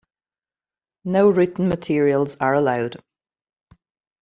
No written materials are allowed.